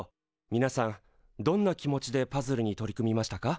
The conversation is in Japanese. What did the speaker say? みなさんどんな気持ちでパズルに取り組みましたか？